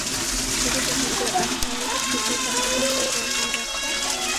যদি তুমি এটার আশায় থেকে থাকো, তাহলে বলে রাখি আমি ক্ষমা চাইবো না।